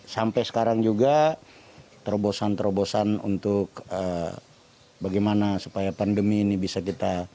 sampai sekarang juga terobosan terobosan untuk bagaimana supaya pandemi ini bisa kita